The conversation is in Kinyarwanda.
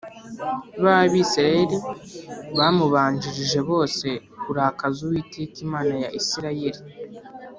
b’Abisirayeli bamubanjirije bose kurakaza Uwiteka Imana ya Isirayeli